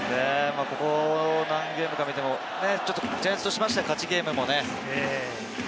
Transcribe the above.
ここ何ゲームか見ても、ちょっとジャイアンツとしましては勝ちゲームもね。